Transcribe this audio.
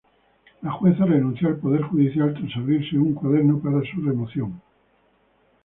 La jueza renunció al Poder Judicial tras abrirse un cuaderno para su remoción.